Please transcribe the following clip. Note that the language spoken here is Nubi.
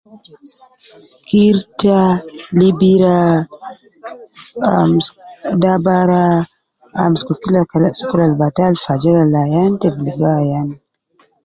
Kirta libira ah dabara amsuku kila kalam fi sokol ab batal fi ajol ab ayan te gi ligo ayan